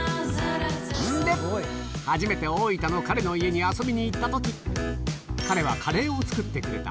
んで、初めて大分の彼の家に遊びにいったとき、彼はカレーを作ってくれた。